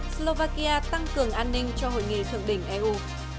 slovakia tăng cường an ninh cho hội nghị thượng đỉnh eu